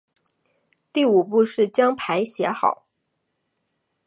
第五步是将牌写好。